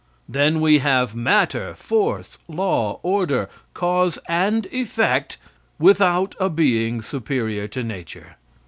Then we have matter, force, law, order, cause and effect without a being superior to nature.